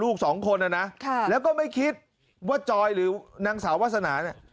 ลูกสองคนน่ะนะแล้วก็ไม่คิดว่าจอยหรือนางสาววาสนาเนี่ย